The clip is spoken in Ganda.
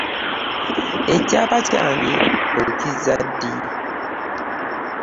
Ekyapa kyange okizza ddi?